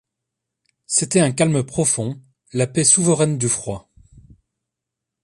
C’était un calme profond, la paix souveraine du froid.